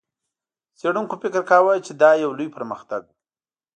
څېړونکو فکر کاوه، چې دا یو لوی پرمختګ و.